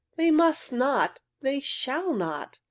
They must not! They shall not!"